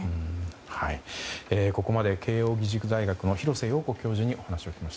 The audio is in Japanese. ここまで慶應義塾大学の廣瀬陽子教授にお話を聞きました。